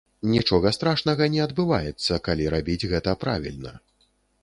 Нічога страшнага не адбываецца, калі рабіць гэта правільна.